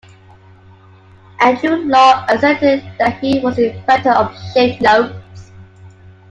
Andrew Law asserted that he was the inventor of shape notes.